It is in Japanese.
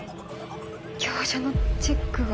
業者のチェックが。